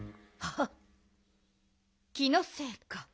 はっ気のせいか。